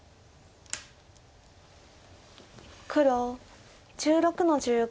黒１６の十五。